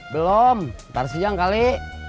belom ntar siang kali